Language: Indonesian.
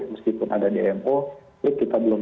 meskipun ada dmo tapi kita belum